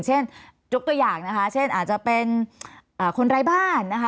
ยกตัวอย่างนะคะเช่นอาจจะเป็นคนไร้บ้านนะคะ